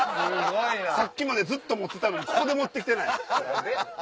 さっきまでずっと持ってたのにここで持って来てない。